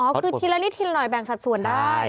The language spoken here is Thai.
คือทีละนิดทีละหน่อยแบ่งสัดส่วนได้